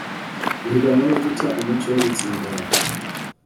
guhiganwa no guta umuco wo gutsimbarara